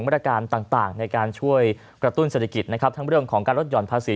มาตรการต่างต่างในการช่วยกระตุ้นเศรษฐกิจนะครับทั้งเรื่องของการลดหย่อนภาษี